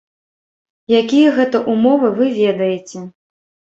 Якія гэта ўмовы, вы ведаеце.